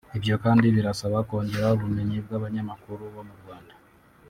Ibyo kandi birasaba kongera ubumenyi bw’abanyamakuru bo mu Rwanda